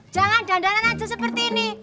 jangan dandan dandan aja seperti ini